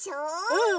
うん！